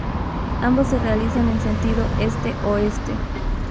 Ambos se realizan en sentido Este–Oeste.